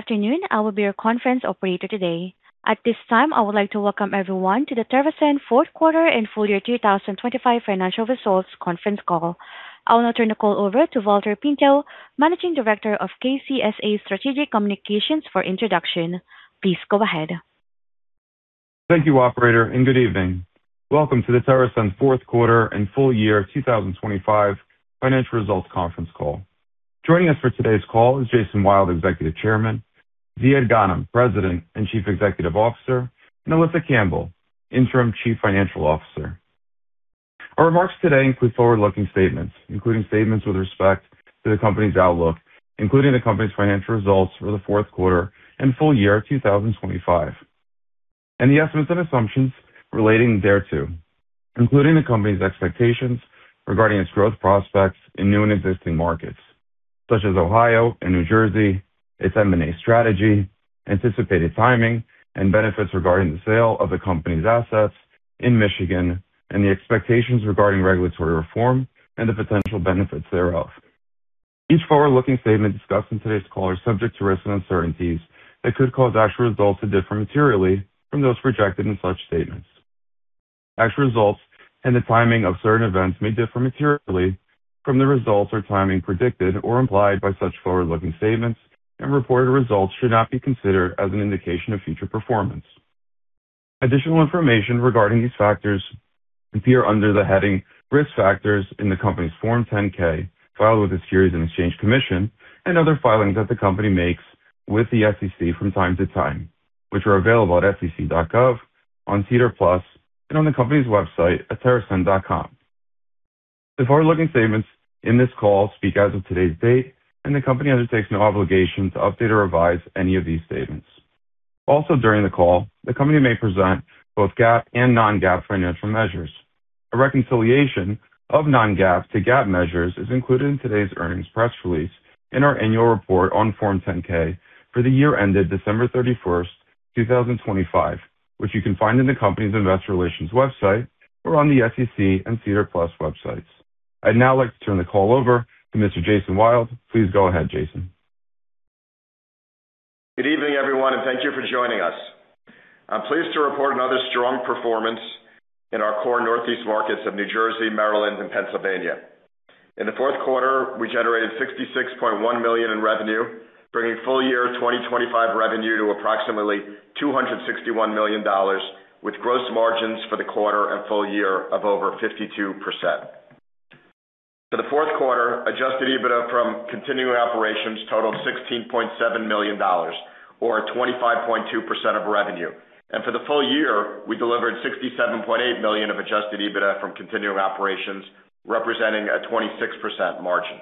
Afternoon, I will be your conference operator today. At this time, I would like to welcome everyone to the TerrAscend fourth quarter and full year 2025 financial results conference call. I will now turn the call over to Valter Pinto, Managing Director of KCSA Strategic Communications, for introduction. Please go ahead. Thank you, operator, and good evening. Welcome to the TerrAscend fourth quarter and full year 2025 financial results conference call. Joining us for today's call is Jason Wild, Executive Chairman, Ziad Ghanem, President and Chief Executive Officer, and Alisa Campbell, Interim Chief Financial Officer. Our remarks today include forward-looking statements, including statements with respect to the company's outlook, including the company's financial results for the fourth quarter and full year 2025, and the estimates and assumptions relating thereto, including the company's expectations regarding its growth prospects in new and existing markets, such as Ohio and New Jersey, its M&A strategy, anticipated timing and benefits regarding the sale of the company's assets in Michigan, and the expectations regarding regulatory reform and the potential benefits thereof. Each forward-looking statement discussed in today's call are subject to risks and uncertainties that could cause actual results to differ materially from those projected in such statements. Actual results and the timing of certain events may differ materially from the results or timing predicted or implied by such forward-looking statements, and reported results should not be considered as an indication of future performance. Additional information regarding these factors appear under the heading Risk Factors in the company's Form 10-K filed with the Securities and Exchange Commission and other filings that the company makes with the SEC from time to time, which are available at sec.gov, on SEDAR+, and on the company's website at terrascend.com. The forward-looking statements in this call speak as of today's date, and the company undertakes no obligation to update or revise any of these statements. Also, during the call, the company may present both GAAP and non-GAAP financial measures. A reconciliation of non-GAAP to GAAP measures is included in today's earnings press release and our annual report on Form 10-K for the year ended December 31, 2025, which you can find in the company's investor relations website or on the SEC and SEDAR+ websites. I'd now like to turn the call over to Mr. Jason Wild. Please go ahead, Jason. Good evening, everyone, and thank you for joining us. I'm pleased to report another strong performance in our core Northeast markets of New Jersey, Maryland, and Pennsylvania. In the fourth quarter, we generated $66.1 million in revenue, bringing full year 2025 revenue to approximately $261 million, with gross margins for the quarter and full year of over 52%. For the fourth quarter, Adjusted EBITDA from continuing operations totaled $16.7 million or a 25.2% of revenue. For the full year, we delivered $67.8 million of Adjusted EBITDA from continuing operations, representing a 26% margin.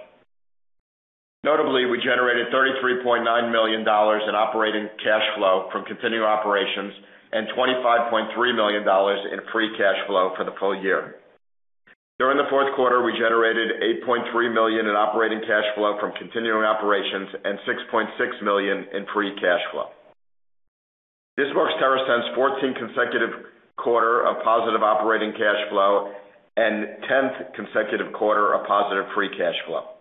Notably, we generated $33.9 million in operating cash flow from continuing operations and $25.3 million in free cash flow for the full year. During the fourth quarter, we generated $8.3 million in operating cash flow from continuing operations and $6.6 million in free cash flow. This marks TerrAscend's 14th consecutive quarter of positive operating cash flow and 10th consecutive quarter of positive free cash flow.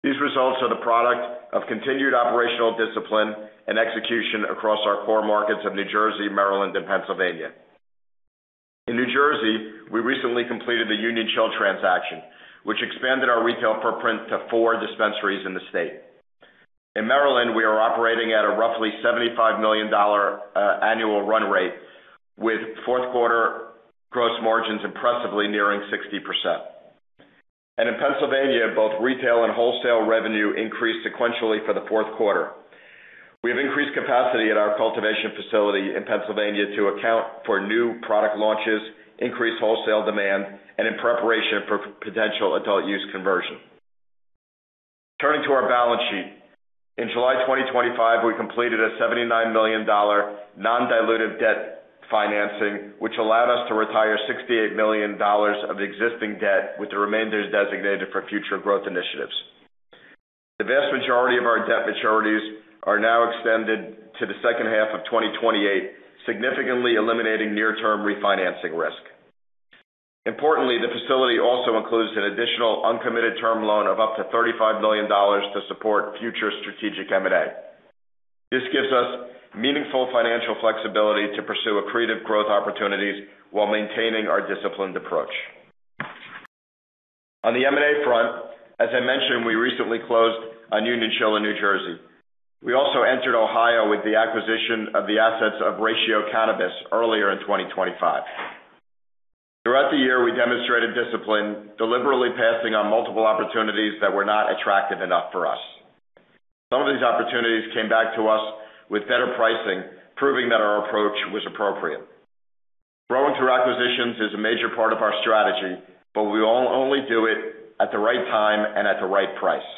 These results are the product of continued operational discipline and execution across our core markets of New Jersey, Maryland, and Pennsylvania. In New Jersey, we recently completed the Union Chill transaction, which expanded our retail footprint to four dispensaries in the state. In Maryland, we are operating at a roughly $75 million annual run rate, with fourth quarter gross margins impressively nearing 60%. In Pennsylvania, both retail and wholesale revenue increased sequentially for the fourth quarter. We have increased capacity at our cultivation facility in Pennsylvania to account for new product launches, increased wholesale demand, and in preparation for potential adult use conversion. Turning to our balance sheet. In July 2025, we completed a $79 million non-dilutive debt financing, which allowed us to retire $68 million of existing debt, with the remainder designated for future growth initiatives. The vast majority of our debt maturities are now extended to the second half of 2028, significantly eliminating near-term refinancing risk. Importantly, the facility also includes an additional uncommitted term loan of up to $35 million to support future strategic M&A. This gives us meaningful financial flexibility to pursue accretive growth opportunities while maintaining our disciplined approach. On the M&A front, as I mentioned, we recently closed on Union Chill in New Jersey. We also entered Ohio with the acquisition of the assets of Ratio Cannabis earlier in 2025. Throughout the year, we demonstrated discipline, deliberately passing on multiple opportunities that were not attractive enough for us. Some of these opportunities came back to us with better pricing, proving that our approach was appropriate. Growing through acquisitions is a major part of our strategy, but we will only do it at the right time and at the right price.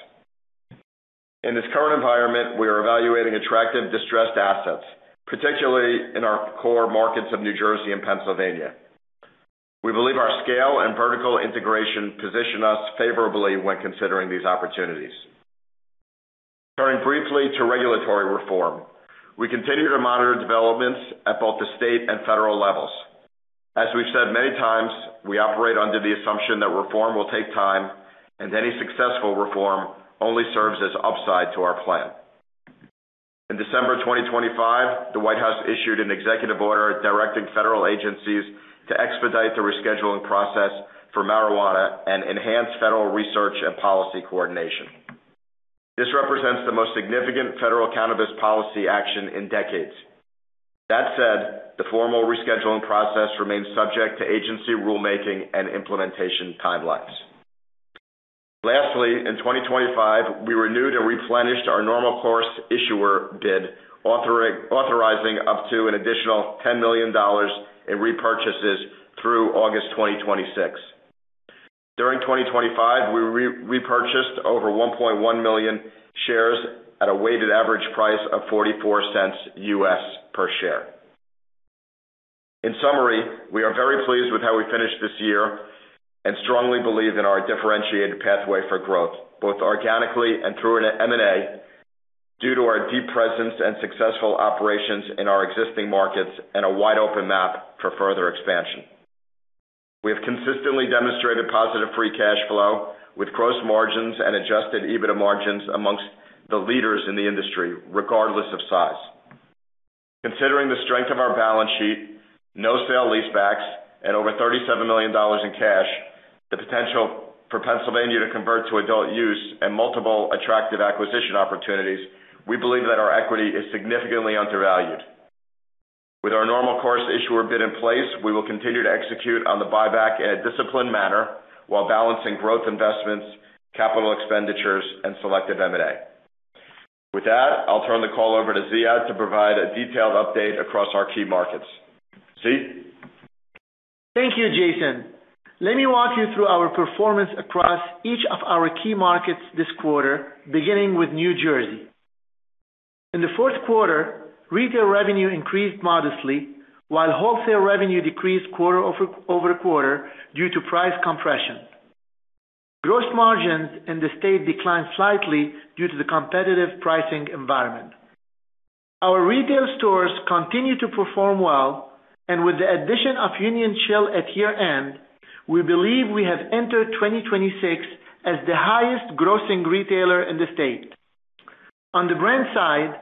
In this current environment, we are evaluating attractive distressed assets, particularly in our core markets of New Jersey and Pennsylvania. We believe our scale and vertical integration position us favorably when considering these opportunities. Turning briefly to regulatory reform. We continue to monitor developments at both the state and federal levels. As we've said many times, we operate under the assumption that reform will take time and any successful reform only serves as upside to our plan. In December 2025, the White House issued an executive order directing federal agencies to expedite the rescheduling process for marijuana and enhance federal research and policy coordination. This represents the most significant federal cannabis policy action in decades. That said, the formal rescheduling process remains subject to agency rulemaking and implementation timelines. Lastly, in 2025, we renewed and replenished our Normal Course Issuer Bid, authorizing up to an additional $10 million in repurchases through August 2026. During 2025, we repurchased over 1.1 million shares at a weighted average price of $0.44 per share. In summary, we are very pleased with how we finished this year and strongly believe in our differentiated pathway for growth, both organically and through an M&A, due to our deep presence and successful operations in our existing markets and a wide-open map for further expansion. We have consistently demonstrated positive free cash flow with gross margins and Adjusted EBITDA margins amongst the leaders in the industry, regardless of size. Considering the strength of our balance sheet, no sale leasebacks, and over $37 million in cash, the potential for Pennsylvania to convert to adult use and multiple attractive acquisition opportunities, we believe that our equity is significantly undervalued. With our Normal Course Issuer Bid in place, we will continue to execute on the buyback in a disciplined manner while balancing growth investments, capital expenditures, and selective M&A. With that, I'll turn the call over to Ziad to provide a detailed update across our key markets. Z? Thank you, Jason. Let me walk you through our performance across each of our key markets this quarter, beginning with New Jersey. In the fourth quarter, retail revenue increased modestly, while wholesale revenue decreased quarter-over-quarter due to price compression. Gross margins in the state declined slightly due to the competitive pricing environment. Our retail stores continue to perform well, and with the addition of Union Chill at year-end, we believe we have entered 2026 as the highest-grossing retailer in the state. On the brand side,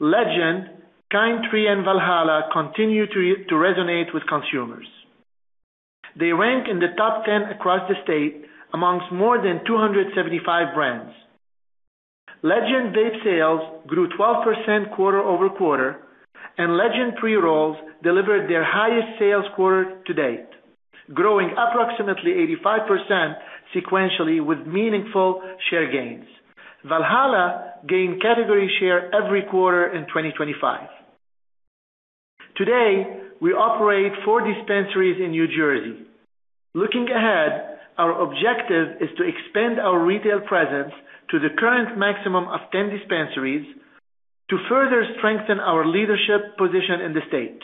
Legend, Kind Tree, and Valhalla continue to resonate with consumers. They rank in the top 10 across the state amongst more than 275 brands. Legend vape sales grew 12% quarter-over-quarter, and Legend pre-rolls delivered their highest sales quarter to date, growing approximately 85% sequentially with meaningful share gains. Valhalla gained category share every quarter in 2025. Today, we operate four dispensaries in New Jersey. Looking ahead, our objective is to expand our retail presence to the current maximum of 10 dispensaries to further strengthen our leadership position in the state.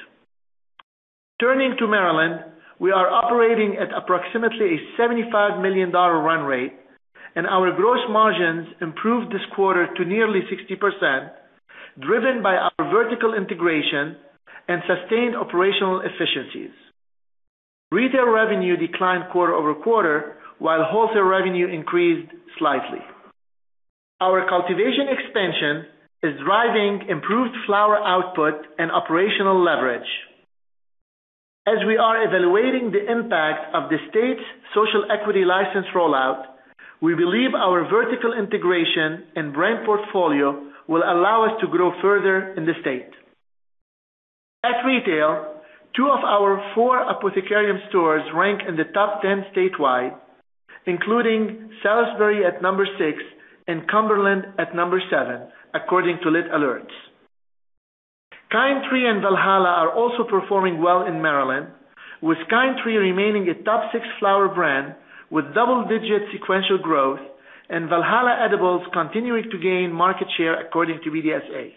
Turning to Maryland, we are operating at approximately a $75 million run rate, and our gross margins improved this quarter to nearly 60%, driven by our vertical integration and sustained operational efficiencies. Retail revenue declined quarter-over-quarter, while wholesale revenue increased slightly. Our cultivation expansion is driving improved flower output and operational leverage. We are evaluating the impact of the state's social equity license rollout. We believe our vertical integration and brand portfolio will allow us to grow further in the state. At retail, two of our four Apothecarium stores rank in the top 10 statewide, including Salisbury at number six and Cumberland at number seven, according to Lit Alerts. Kind Tree and Valhalla are also performing well in Maryland, with Kind Tree remaining a top six flower brand with double-digit sequential growth and Valhalla edibles continuing to gain market share, according to BDSA.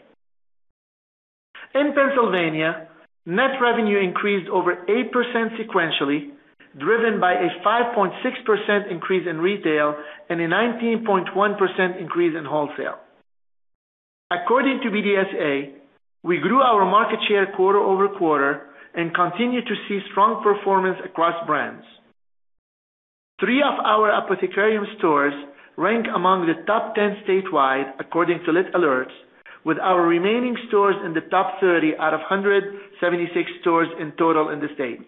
In Pennsylvania, net revenue increased over 8% sequentially, driven by a 5.6% increase in retail and a 19.1% increase in wholesale. According to BDSA, we grew our market share quarter-over-quarter and continue to see strong performance across brands. Three of our Apothecarium stores rank among the top 10 statewide, according to Lit Alerts, with our remaining stores in the top 30 out of 176 stores in total in the state.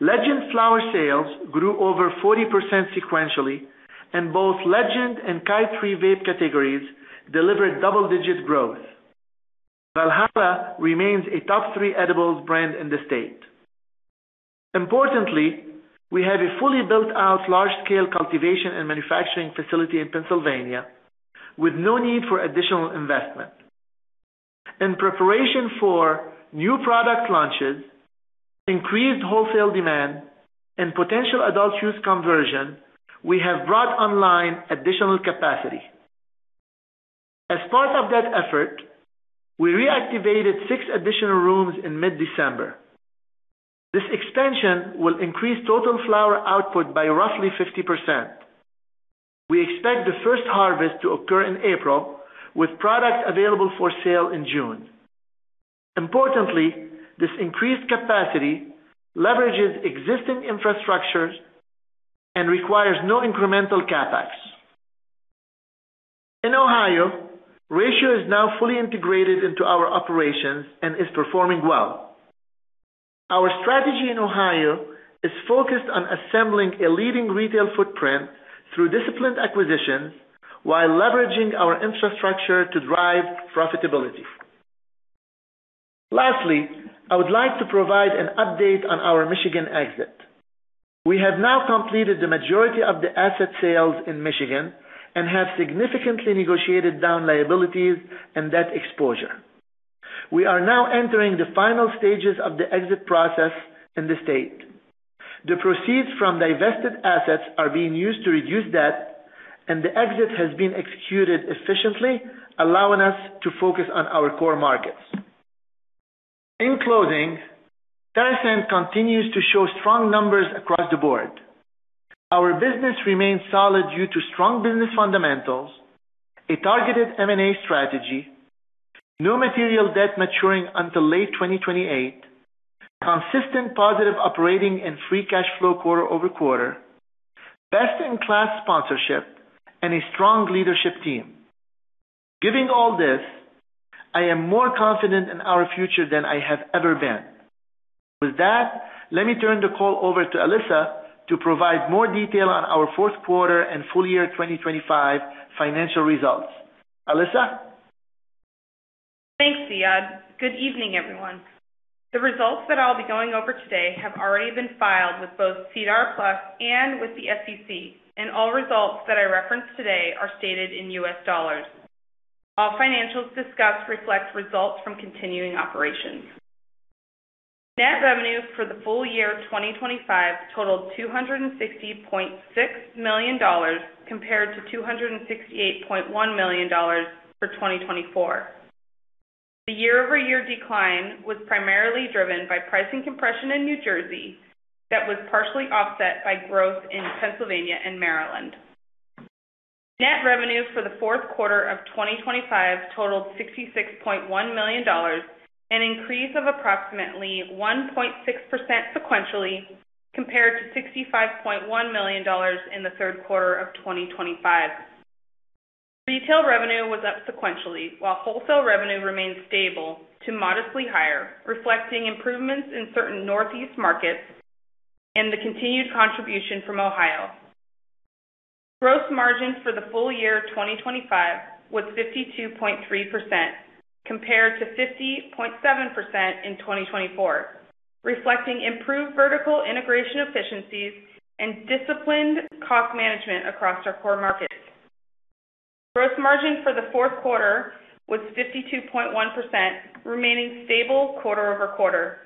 Legend flower sales grew over 40% sequentially, and both Legend and Kind Tree vape categories delivered double-digit growth. Valhalla remains a top three edibles brand in the state. Importantly, we have a fully built-out large-scale cultivation and manufacturing facility in Pennsylvania with no need for additional investment. In preparation for new product launches, increased wholesale demand, and potential adult use conversion, we have brought online additional capacity. As part of that effort, we reactivated six additional rooms in mid-December. This expansion will increase total flower output by roughly 50%. We expect the first harvest to occur in April, with products available for sale in June. Importantly, this increased capacity leverages existing infrastructures and requires no incremental CapEx. In Ohio, Ratio is now fully integrated into our operations and is performing well. Our strategy in Ohio is focused on assembling a leading retail footprint through disciplined acquisitions while leveraging our infrastructure to drive profitability. Lastly, I would like to provide an update on our Michigan exit. We have now completed the majority of the asset sales in Michigan and have significantly negotiated down liabilities and debt exposure. We are now entering the final stages of the exit process in the state. The proceeds from divested assets are being used to reduce debt, and the exit has been executed efficiently, allowing us to focus on our core markets. In closing, TerrAscend continues to show strong numbers across the board. Our business remains solid due to strong business fundamentals, a targeted M&A strategy, no material debt maturing until late 2028, consistent positive operating and free cash flow quarter-over-quarter, best-in-class sponsorship and a strong leadership team. Giving all this, I am more confident in our future than I have ever been. With that, let me turn the call over to Alisa to provide more detail on our fourth quarter and full year 2025 financial results. Alisa? Thanks, Ziad. Good evening, everyone. The results that I'll be going over today have already been filed with both SEDAR+ and with the SEC, and all results that I reference today are stated in US dollars. All financials discussed reflect results from continuing operations. Net revenue for the full year 2025 totaled $260.6 million compared to $268.1 million for 2024. The year-over-year decline was primarily driven by pricing compression in New Jersey that was partially offset by growth in Pennsylvania and Maryland. Net revenue for the fourth quarter of 2025 totaled $66.1 million, an increase of approximately 1.6% sequentially compared to $65.1 million in the third quarter of 2025. Retail revenue was up sequentially while wholesale revenue remained stable to modestly higher, reflecting improvements in certain Northeast markets and the continued contribution from Ohio. Gross margin for the full year 2025 was 52.3% compared to 50.7% in 2024, reflecting improved vertical integration efficiencies and disciplined cost management across our core markets. Gross margin for the fourth quarter was 52.1%, remaining stable quarter-over-quarter.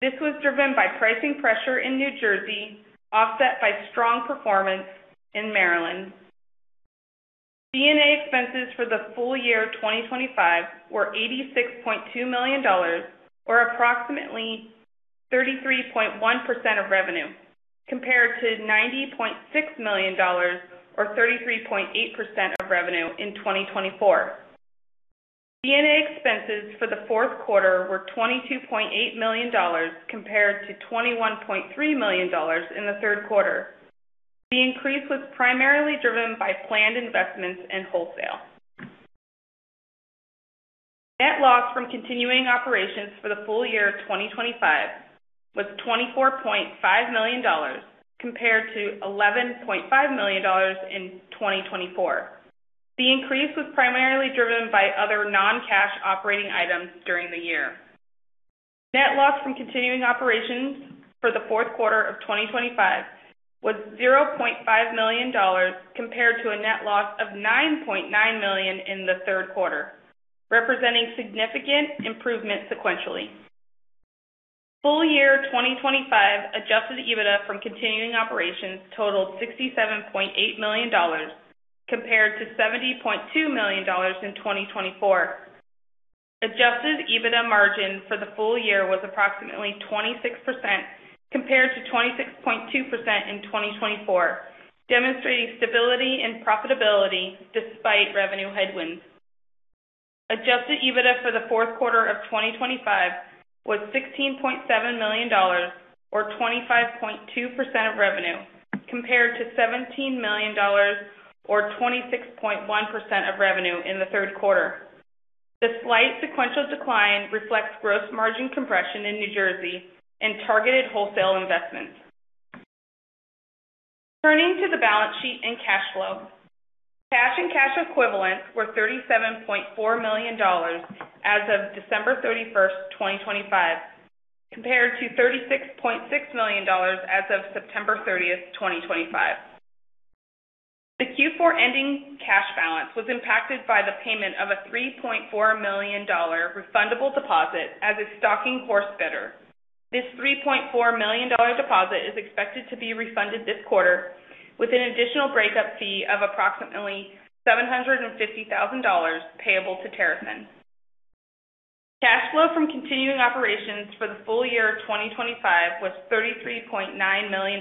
This was driven by pricing pressure in New Jersey, offset by strong performance in Maryland. D&A expenses for the full year 2025 were $86.2 million or approximately 33.1% of revenue, compared to $90.6 million or 33.8% of revenue in 2024. D&A expenses for the fourth quarter were $22.8 million compared to $21.3 million in the third quarter. The increase was primarily driven by planned investments in wholesale. Net loss from continuing operations for the full year 2025 was $24.5 million compared to $11.5 million in 2024. The increase was primarily driven by other non-cash operating items during the year. Net loss from continuing operations for the fourth quarter of 2025 was $0.5 million compared to a net loss of $9.9 million in the third quarter, representing significant improvement sequentially. Full year 2025 Adjusted EBITDA from continuing operations totaled $67.8 million compared to $70.2 million in 2024. Adjusted EBITDA margin for the full year was approximately 26% compared to 26.2% in 2024, demonstrating stability and profitability despite revenue headwinds. Adjusted EBITDA for the fourth quarter of 2025 was $16.7 million or 25.2% of revenue, compared to $17 million or 26.1% of revenue in the third quarter. The slight sequential decline reflects gross margin compression in New Jersey and targeted wholesale investments. Turning to the balance sheet and cash flow. Cash and cash equivalents were $37.4 million as of December 31, 2025, compared to $36.6 million as of September 30, 2025. The Q4 ending cash balance was impacted by the payment of a $3.4 million refundable deposit as a stalking horse bidder. This $3.4 million deposit is expected to be refunded this quarter with an additional breakup fee of approximately $750,000 payable to TerrAscend. Cash flow from continuing operations for the full year 2025 was $33.9 million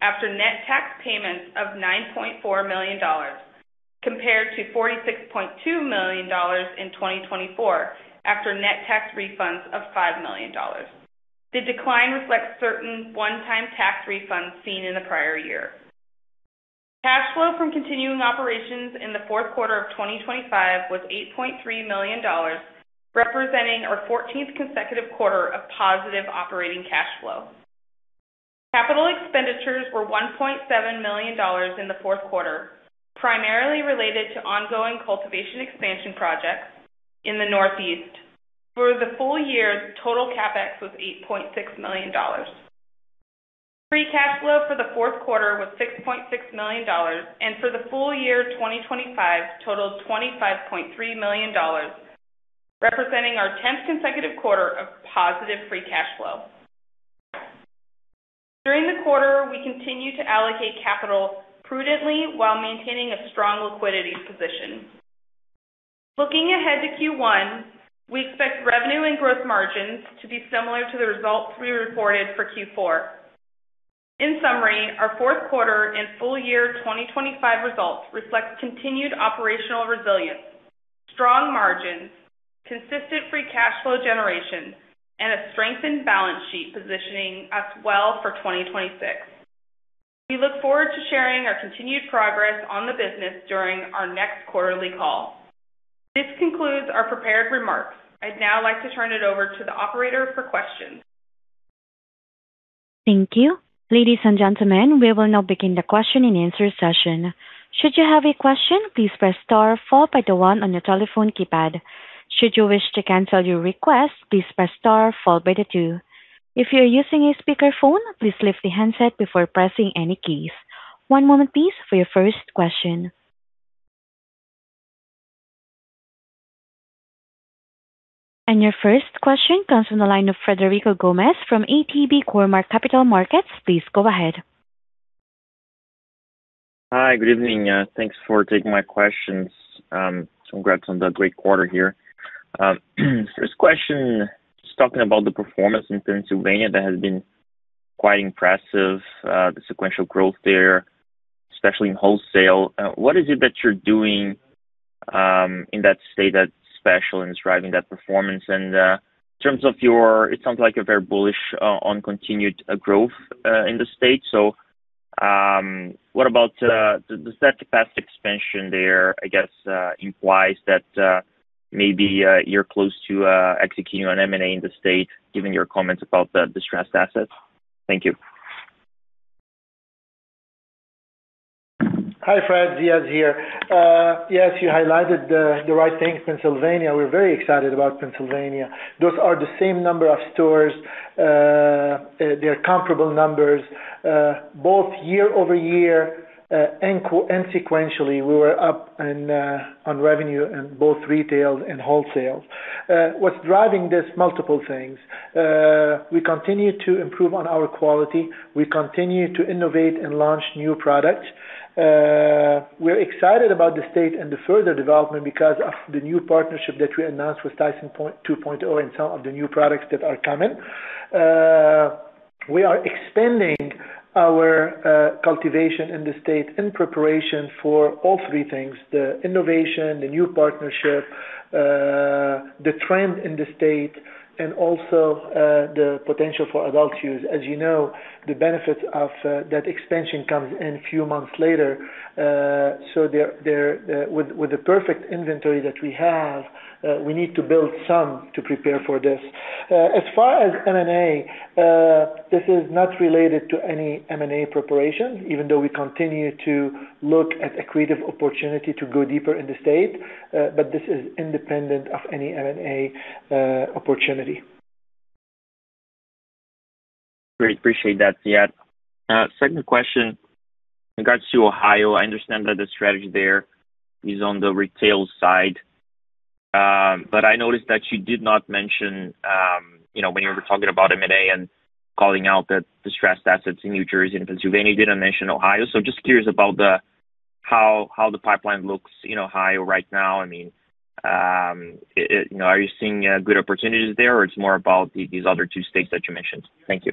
after net tax payments of $9.4 million compared to $46.2 million in 2024 after net tax refunds of $5 million. The decline reflects certain one-time tax refunds seen in the prior year. Cash flow from continuing operations in the fourth quarter of 2025 was $8.3 million, representing our 14th consecutive quarter of positive operating cash flow. Capital expenditures were $1.7 million in the fourth quarter, primarily related to ongoing cultivation expansion projects in the Northeast. For the full year, total CapEx was $8.6 million. Free cash flow for the fourth quarter was $6.6 million, and for the full year 2025 totaled $25.3 million, representing our 10th consecutive quarter of positive free cash flow. During the quarter, we continued to allocate capital prudently while maintaining a strong liquidity position. Looking ahead to Q1, we expect revenue and growth margins to be similar to the results we reported for Q4. In summary, our fourth quarter and full year 2025 results reflect continued operational resilience, strong margins, consistent free cash flow generation, and a strengthened balance sheet positioning us well for 2026. We look forward to sharing our continued progress on the business during our next quarterly call. This concludes our prepared remarks. I'd now like to turn it over to the operator for questions. Thank you. Ladies and gentlemen, we will now begin the question-and-answer session. Should you have a question, please press star followed by the one on your telephone keypad. Should you wish to cancel your request, please press star followed by the two. If you're using a speakerphone, please lift the handset before pressing any keys. One moment please for your first question. Your first question comes from the line of Frederico Gomes from ATB Cormark Capital Markets. Please go ahead. Hi, good evening. Thanks for taking my questions. Congrats on the great quarter here. First question, just talking about the performance in Pennsylvania that has been quite impressive, the sequential growth there, especially in wholesale. What is it that you're doing in that state that's special and is driving that performance? In terms of your, it sounds like you're very bullish on continued growth in the state. What about, does that capacity expansion there, I guess, implies that maybe you're close to executing on M&A in the state given your comments about the distressed assets? Thank you. Hi, Fred. Ziad here. Yes, you highlighted the right thing, Pennsylvania. We're very excited about Pennsylvania. Those are the same number of stores. They're comparable numbers, both year-over-year and sequentially, we were up on revenue in both retail and wholesale. What's driving this? Multiple things. We continue to improve on our quality. We continue to innovate and launch new products. We're excited about the state and the further development because of the new partnership that we announced with Tyson 2.0 and some of the new products that are coming. We are expanding our cultivation in the state in preparation for all three things, the innovation, the new partnership, the trend in the state, and also the potential for adult use. As you know, the benefit of that expansion comes in few months later. There, with the perfect inventory that we have, we need to build some to prepare for this. As far as M&A, this is not related to any M&A preparation, even though we continue to look at accretive opportunity to go deeper in the state. This is independent of any M&A opportunity. Great. Appreciate that, Ziad. Second question regards to Ohio. I understand that the strategy there is on the retail side. But I noticed that you did not mention, you know, when you were talking about M&A and calling out the distressed assets in New Jersey and Pennsylvania, you didn't mention Ohio. So just curious about how the pipeline looks, you know, Ohio right now. I mean, you know, are you seeing good opportunities there, or it's more about these other two states that you mentioned? Thank you.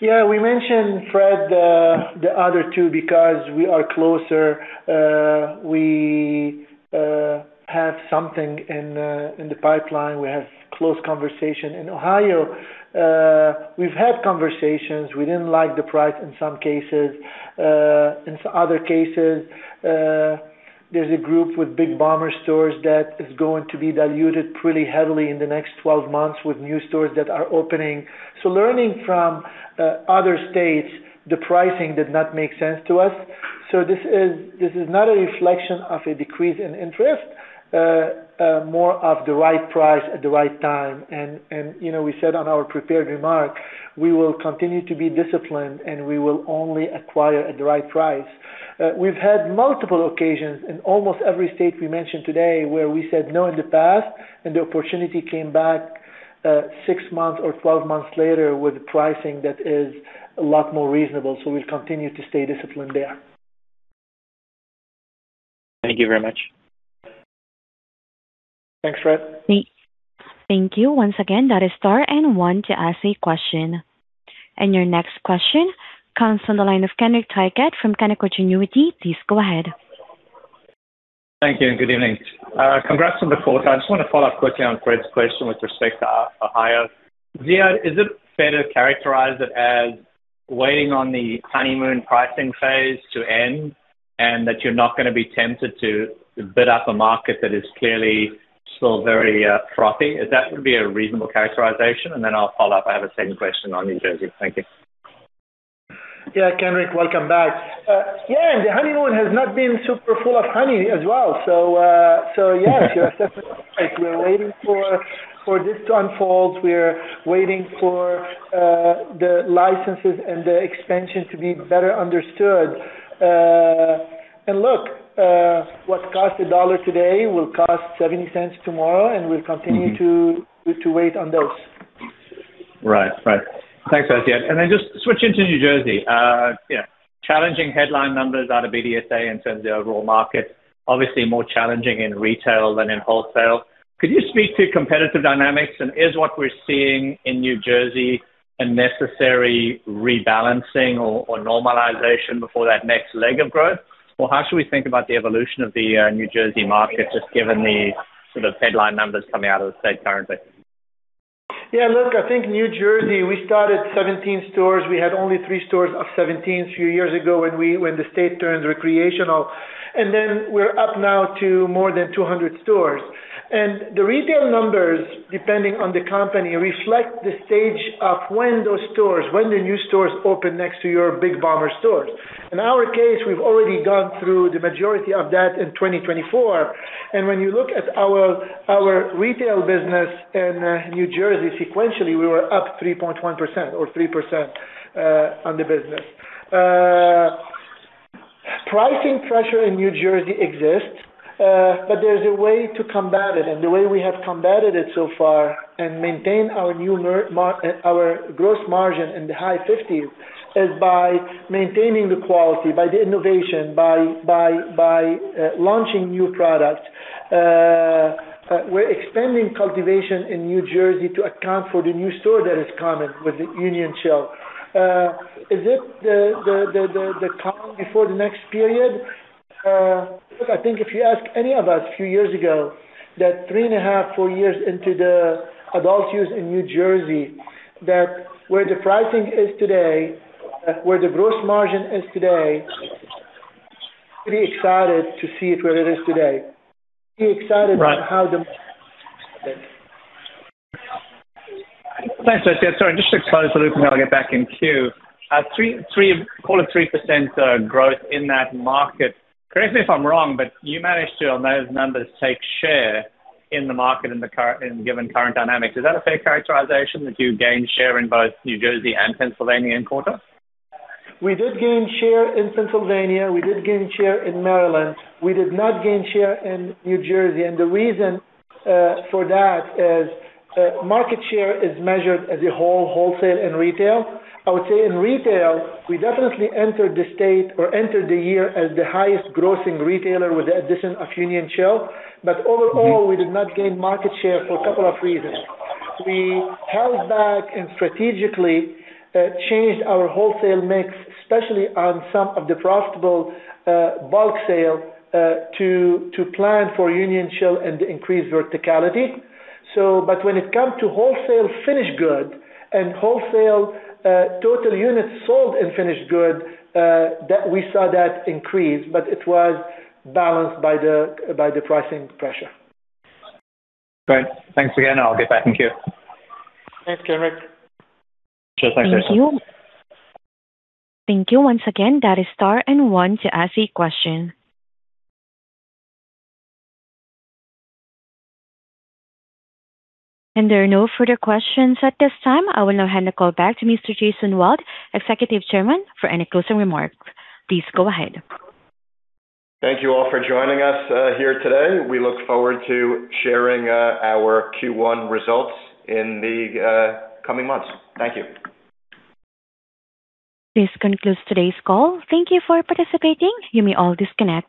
Yeah. We mentioned, Fred, the other two because we are closer. We have something in the pipeline. We have close conversations. In Ohio, we've had conversations. We didn't like the price in some cases. In other cases, there's a group with big box stores that is going to be diluted pretty heavily in the next 12 months with new stores that are opening. Learning from other states, the pricing did not make sense to us. This is not a reflection of a decrease in interest, more of the right price at the right time. You know, we said on our prepared remarks, we will continue to be disciplined, and we will only acquire at the right price. We've had multiple occasions in almost every state we mentioned today where we said no in the past and the opportunity came back, six months or 12 months later with pricing that is a lot more reasonable. We'll continue to stay disciplined there. Thank you very much. Thanks, Fred. Thank you. Once again, that is star and one to ask a question. Your next question comes from the line of Kenric Tyghe from Canaccord Genuity. Please go ahead. Thank you and good evening. Congrats on the quarter. I just want to follow up quickly on Fred's question with respect to Ohio. Ziad, is it fair to characterize it as waiting on the honeymoon pricing phase to end and that you're not gonna be tempted to bid up a market that is clearly still very frothy? Would that be a reasonable characterization? I'll follow up. I have a second question on New Jersey. Thank you. Yeah. Kenric, welcome back. Yeah, the honeymoon has not been super full of honey as well. Yeah, you're absolutely right. We're waiting for this to unfold. We are waiting for the licenses and the expansion to be better understood. Look, what cost a dollar today will cost 70 cents tomorrow, and we'll continue to wait on those. Right. Thanks, Ziad. Just switching to New Jersey, yeah, challenging headline numbers out of BDSA in terms of the overall market, obviously more challenging in retail than in wholesale. Could you speak to competitive dynamics? Is what we're seeing in New Jersey a necessary rebalancing or normalization before that next leg of growth? How should we think about the evolution of the New Jersey market, just given the sort of headline numbers coming out of the state currently? Yeah, look, I think New Jersey, we started 17 stores. We had only three stores of 17 a few years ago when the state turned recreational. We're up now to more than 200 stores. The retail numbers, depending on the company, reflect the stage of when those stores, when the new stores open next to your big box stores. In our case, we've already gone through the majority of that in 2024. When you look at our retail business in New Jersey, sequentially, we were up 3.1% or 3% on the business. Pricing pressure in New Jersey exists, but there's a way to combat it. The way we have combated it so far and maintain our gross margin in the high 50s is by maintaining the quality, by the innovation, by launching new products. We're expanding cultivation in New Jersey to account for the new store that is coming with Union Chill. Is it the calm before the next period? Look, I think if you ask any of us a few years ago that 3.5, 4 years into the adult use in New Jersey, that where the pricing is today, where the gross margin is today, pretty excited to see it where it is today. Pretty excited. Right. On how the... Thanks, Ziad. Sorry, just to close the loop, and then I'll get back in queue. Call it 3% growth in that market. Correct me if I'm wrong, but you managed to, on those numbers, take share in the market in given current dynamics. Is that a fair characterization, that you gained share in both New Jersey and Pennsylvania in quarter? We did gain share in Pennsylvania. We did gain share in Maryland. We did not gain share in New Jersey. The reason for that is market share is measured as a whole, wholesale and retail. I would say in retail, we definitely entered the state or entered the year as the highest grossing retailer with the addition of Union Chill. But overall.. Mm-hmm. We did not gain market share for a couple of reasons. We held back and strategically changed our wholesale mix, especially on some of the profitable bulk sale to plan for Union Chill and increase verticality. When it come to wholesale finished good and wholesale total units sold in finished good that we saw that increase, but it was balanced by the pricing pressure. Great. Thanks again. I'll get back in queue. Thanks, Kenric. Sure. Thanks, Ziad. Thank you. Thank you. Once again, that is star and one to ask a question. There are no further questions at this time. I will now hand the call back to Mr. Jason Wild, Executive Chairman, for any closing remarks. Please go ahead. Thank you all for joining us here today. We look forward to sharing our Q1 results in the coming months. Thank you. This concludes today's call. Thank you for participating. You may all disconnect.